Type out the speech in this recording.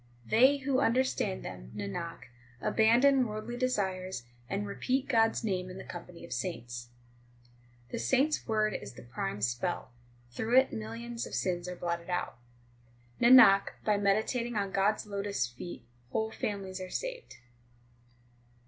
They who understand them, Nanak, abandon worldly desires, and repeat God s name in the company of saints. ii The saint s word is the prime spell ; through it millions of sins are blotted out : Nanak, by meditating on God s lotus feet whole families are saved.